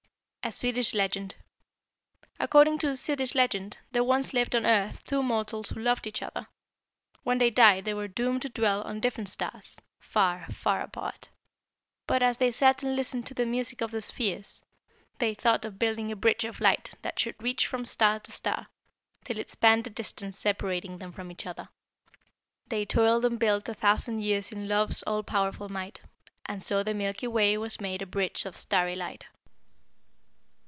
'" A SWEDISH LEGEND. "According to a Swedish legend, there once lived on earth two mortals who loved each other. When they died they were doomed to dwell on different stars, far, far apart. But, 'as they sat and listened to the music of the spheres,' they thought of building a bridge of light that should reach from star to star, till it spanned the distance separating them from each other. "'They toiled and built a thousand years in love's all powerful might, And so the Milky Way was made a bridge of starry light.'